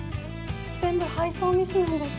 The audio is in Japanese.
全部配送ミスなんです。